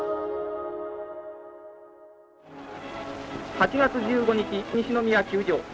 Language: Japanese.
８月１５日西宮球場。